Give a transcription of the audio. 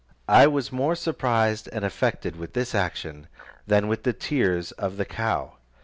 I was more surprised and affected with this action, than with the tears of the cow.